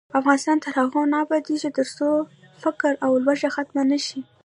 افغانستان تر هغو نه ابادیږي، ترڅو فقر او لوږه ختمه نشي.